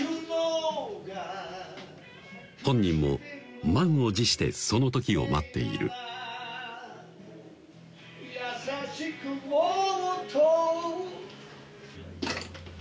本人も満を持してその時を待っている・